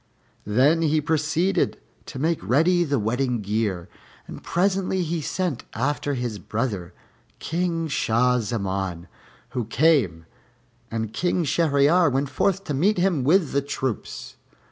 Then he proceeded to make ready the wedding gear, and presently he sent after his brother, King Shah Zaman, who came, and King Shahryar went forth to meet him with the troops.